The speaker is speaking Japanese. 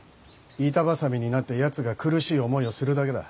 板挟みになってやつが苦しい思いをするだけだ。